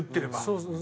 そうそう。